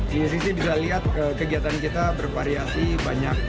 di sini bisa lihat kegiatan kita bervariasi banyak